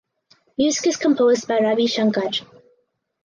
Music is composed by Ravi Shankar.